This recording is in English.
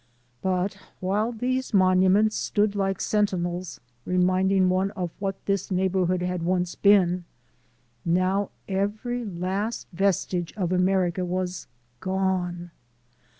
But while these monuments stood like sentinels reminding one of what this neighborhood had once been, now every last vestige of America was gone